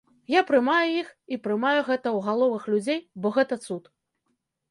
Я прымаю іх і прымаю гэта у галовах людзей, бо гэта цуд.